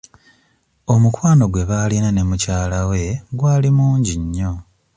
Omukwano gwe baalina ne mukyala we gwali mungi nnyo.